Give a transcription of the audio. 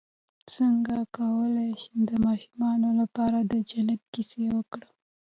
څنګه کولی شم د ماشومانو لپاره د جنت کیسه وکړم